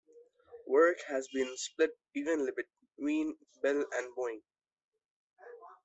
Work has been split evenly between Bell and Boeing.